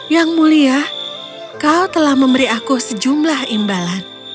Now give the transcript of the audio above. yang mulia kau telah memberi aku sejumlah imbalan